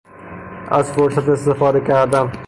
از فرصت استفاده کردن